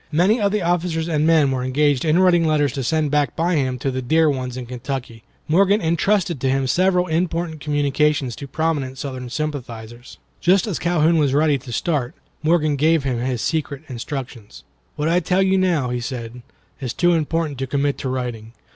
Many of the officers and men were engaged in writing letters to send back by him to the dear ones in Kentucky. Morgan intrusted to him several important communications to prominent Southern sympathizers. Just as Calhoun was ready to start, Morgan gave him his secret instructions. "What I now tell you," he said, "is too important to commit to writing.